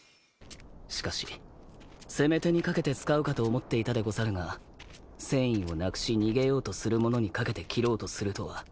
しかし攻め手にかけて使うかと思っていたでござるが戦意をなくし逃げようとする者にかけて斬ろうとするとは。